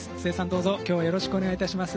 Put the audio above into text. どうぞ今日はよろしくお願いいたします。